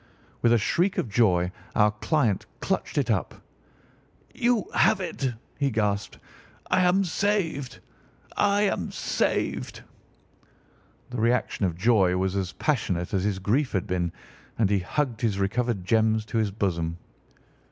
With a shriek of joy our client clutched it up. "You have it!" he gasped. "I am saved! I am saved!" The reaction of joy was as passionate as his grief had been, and he hugged his recovered gems to his bosom.